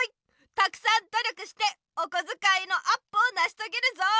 たくさんどりょくしておこづかいのアップをなしとげるぞ！